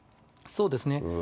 そうですね。